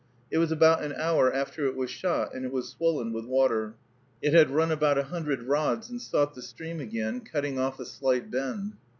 It was about an hour after it was shot, and it was swollen with water. It had run about a hundred rods and sought the stream again, cutting off a slight bend.